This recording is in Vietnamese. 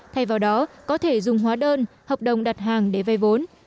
thay vào đó có thể dùng hóa đơn hợp đồng đặt hàng để vay vốn